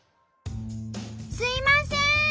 すいません！